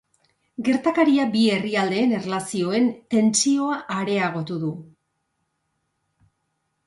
Gertakaria bi herrialdeen erlazioen tentsioa areagotu du.